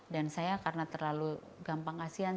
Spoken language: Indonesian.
dan saya karena terlalu gampang kasihan